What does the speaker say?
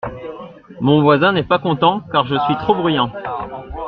Mon voisin n’est pas content car je suis trop bruyant.